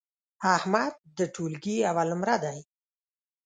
احمد د ټولگي اول نمره دی.